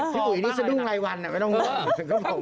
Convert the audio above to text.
พี่บุ๋ยนี่จะดุ้งไรวันไม่ต้องเวิร์ด